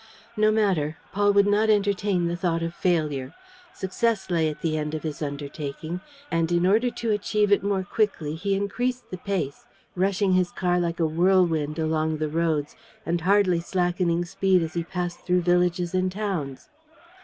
No matter, Paul would not entertain the thought of failure. Success lay at the end of his undertaking; and in order to achieve it more quickly he increased the pace, rushing his car like a whirlwind along the roads and hardly slackening speed as he passed through villages and towns.